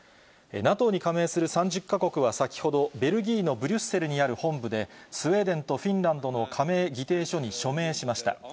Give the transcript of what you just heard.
ＮＡＴＯに加盟する３０か国は先ほど、ベルギーのブリュッセルにある本部で、スウェーデンとフィンランドの加盟議定書に署名しました。